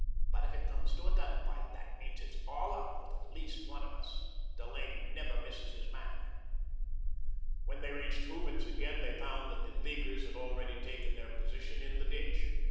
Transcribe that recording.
"But if it comes to a gun fight, that means it's all up with at least one of us. Delaney never misses his man." When they reached Hooven's again, they found that the Leaguers had already taken their position in the ditch.